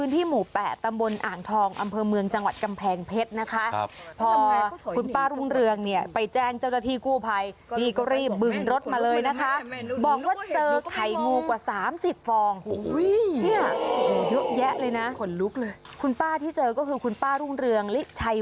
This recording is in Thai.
แต่มันไม่ใช่เห็ดพันธุ์ใหม่อย่างที่คุณชนะสงสัย